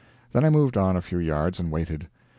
Then I moved on a few yards, and waited.